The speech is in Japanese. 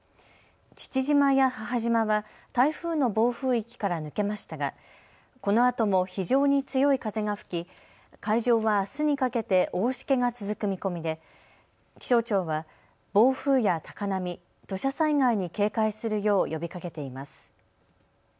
父島や母島は台風の暴風域から抜けましたがこのあとも非常に強い風が吹き海上はあすにかけて大しけが続く見込みで気象庁は暴風や高波、土砂災害に警戒するよう呼びかけています。